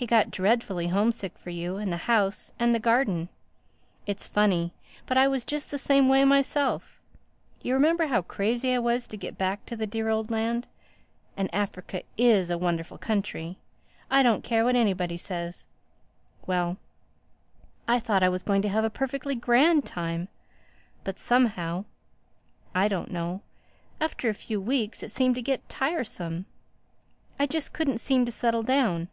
He got dreadfully homesick for you and the house and the garden. It's funny, but I was just the same way myself. You remember how crazy I was to get back to the dear old land? And Africa is a wonderful country—I don't care what anybody says. Well, I thought I was going to have a perfectly grand time. But somehow—I don't know—after a few weeks it seemed to get tiresome. I just couldn't seem to settle down.